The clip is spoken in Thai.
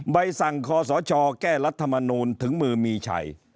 ใบสั่งคอสชแก้รัฐมนูลถึงมือมีชัย